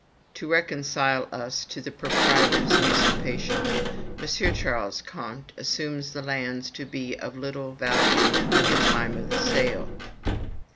To reconcile us to the proprietor's usurpation, M. Ch. Comte assumes the lands to be of little value at the time of sale.